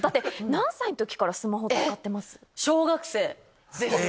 何歳からスマホ使ってます？